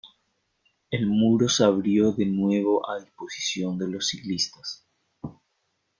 El Muro se abrió de nuevo a disposición de los ciclistas.